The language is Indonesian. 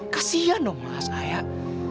kasian dong mas ayah